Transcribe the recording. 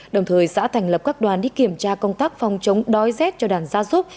đồng thời xã thành lập các đoàn đi kiểm tra công tác phòng chống đói rét cho đàn gia súc